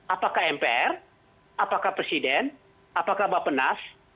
apakah mpr apakah presiden apakah bapak nas